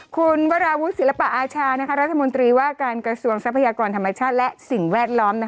คุณวราวุฒิศิลปะอาชารัฐมนตรีว่าการกระทรวงทรัพยากรธรรมชาติและสิ่งแวดล้อม